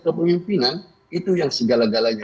kepemimpinan itu yang segala galanya